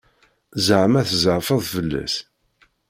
Ẓeɛma tzeɛfeḍ fell-as?